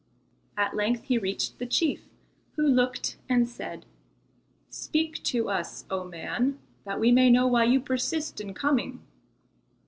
At length he reached the chief, who looked and said, "Speak to us, O man, that we may know why you persist in coming."